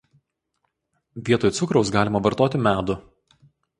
Vietoj cukraus galima vartoti medų.